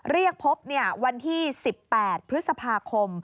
เรียกพบวันที่๑๘พฤษภาคม